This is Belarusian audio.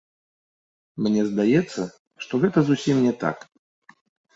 Мне здаецца, што гэта зусім не так.